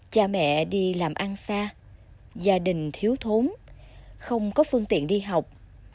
cha mẹ đi làm ăn xa gia đình thiếu thốn không có phương tiện đi học